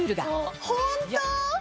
本当？